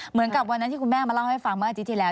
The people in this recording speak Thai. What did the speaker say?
เหมือนกับวันนั้นที่คุณแม่มาเล่าให้ฟังเมื่ออาทิตย์ที่แล้ว